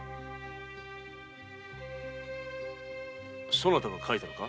そなたが描いたのか？